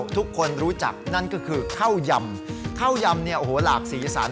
ทุกคนรู้จักนั่นก็คือข้าวยำข้าวยำเนี่ยโอ้โหหลากสีสัน